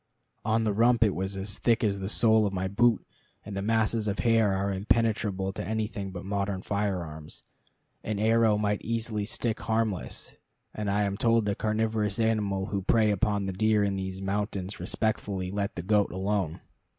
On the rump it was as thick as the sole of my boot, and the masses of hair are impenetrable to anything but modern firearms. An arrow might easily stick harmless; and I am told that carnivorous animals who prey upon the deer in these mountains respectfully let the goat alone.